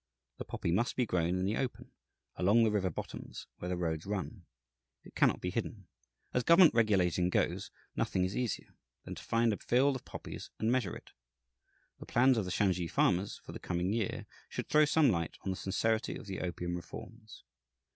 The poppy must be grown in the open, along the river bottoms (where the roads run). It cannot be hidden. As government regulating goes, nothing is easier than to find a field of poppies and measure it. The plans of the Shansi farmers for the coming year should throw some light on the sincerity of the opium reforms.